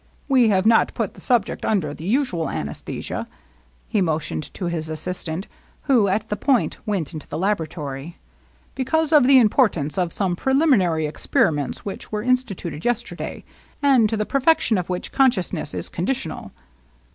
" We have not put the subject under the usual anaesthesia/' — he motioned to his assistant, who at this point went into the laboratory, —^* because of the importance of some preliminary experiments which were instituted yesterday, and to the perfection of which consciousness is conditional.